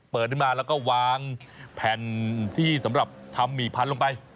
เปิดได้มาแล้วก็วางแผ่นที่สำหรับทำหมี่พันลงไป